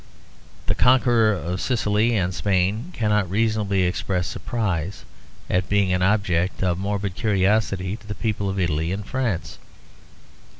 The conqueror of Sicily and Spain cannot reasonably express surprise at being an object of morbid curiosity to the people of Italy and France.